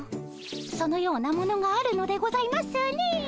そのようなものがあるのでございますねえ。